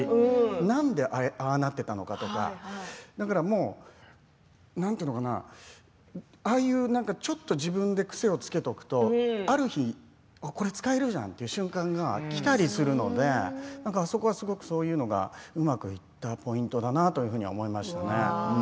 なんで、ああなっていったのかとかだから何て言うのかなああいう、ちょっと自分で癖をつけておくとある日、これ使えるじゃんという瞬間が来たりするのであそこは、すごくそういうのがうまくいったポイントだなというふうには思いましたね。